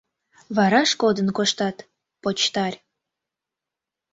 — Вараш кодын коштат, почтарь.